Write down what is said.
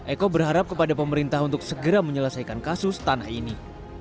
eko berharap kepada pemerintah untuk segera menyelesaikan kasus tanah ini